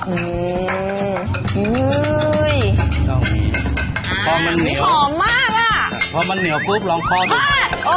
อื้ยต้องมีอ่าพอมันเหนียวหอมมากอ่ะพอมันเหนียวปุ๊บลองพอดูพัด